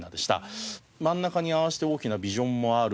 真ん中にああして大きなビジョンもある。